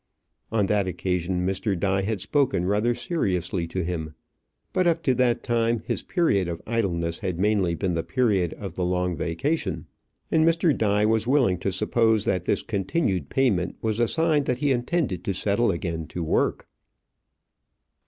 On that occasion Mr. Die had spoken rather seriously to him; but up to that time his period of idleness had mainly been the period of the long vacation, and Mr. Die was willing to suppose that this continued payment was a sign that he intended to settle again to work.